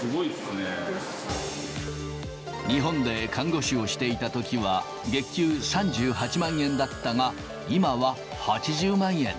日本で看護師をしていたときは、月給３８万円だったが、今は８０万円。